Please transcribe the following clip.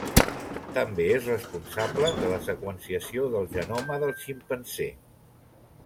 També és responsable de la seqüenciació del genoma del ximpanzé.